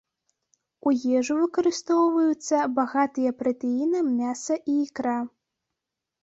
У ежу выкарыстоўваюцца багатыя пратэінам мяса і ікра.